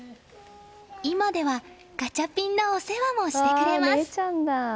今ではガチャピンのお世話もしてくれます。